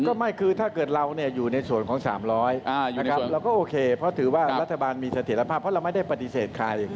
ไม่คือถ้าเกิดเราอยู่ในส่วนของ๓๐๐เราก็โอเคเพราะถือว่ารัฐบาลมีเสถียรภาพเพราะเราไม่ได้ปฏิเสธใคร